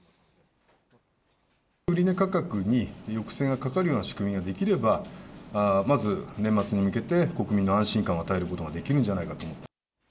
売値価格に抑制がかかるような仕組みが出来れば、まず年末に向けて、国民に安心感を与えることができるんじゃないかと。